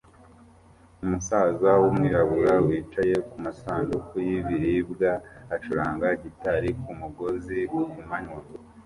Umusaza wumwirabura wicaye kumasanduku y'ibiribwa acuranga gitari kumugozi kumanywa